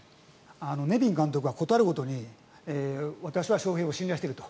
ネビン監督は事あるごとに私は翔平を信頼していると。